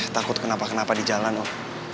takut kenapa kenapa di jalan om